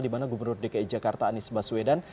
di mana gubernur dki jakarta anies baswedan